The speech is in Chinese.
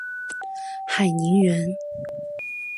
海宁人。